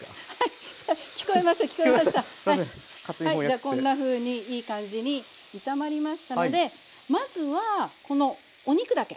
じゃあこんなふうにいい感じに炒まりましたのでまずはこのお肉だけ。